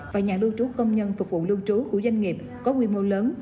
và nhà lưu trú công nhân phục vụ lưu trú của doanh nghiệp có quy mô lớn